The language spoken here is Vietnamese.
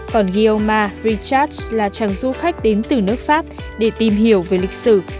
còn ghiêu ma richard là chàng du khách đến từ nước pháp để tìm hiểu về lịch sử